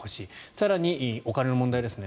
更に、お金の問題ですね。